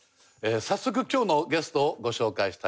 早速今日のゲストをご紹介したいと思います。